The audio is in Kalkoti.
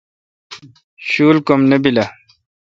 شول کم نہ بیل اؘ۔